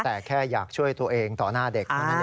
แต่แค่อยากช่วยตัวเองต่อหน้าเด็ก